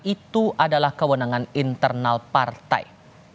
itu adalah kewenangan internal partai